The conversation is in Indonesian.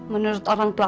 menurut orang tua